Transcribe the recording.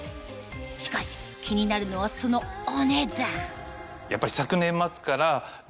しかし気になるのはそのお値段